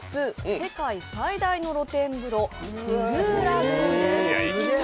世界最大の露天風呂、ブルーラグーンです。